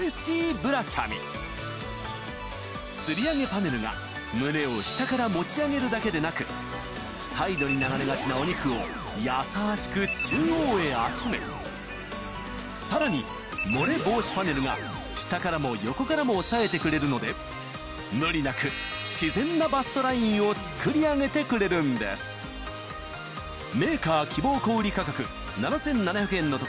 つり上げパネルが胸を下から持ち上げるだけでなくサイドに流れがちなお肉を優しく中央へ集めさらに漏れ防止パネルが下からも横からも押さえてくれるので無理なく自然なバストラインを作り上げてくれるんですさらに